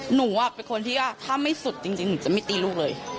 หนูเป็นคนที่ว่าถ้าไม่สุดจริงหนูจะไม่ตีลูกเลย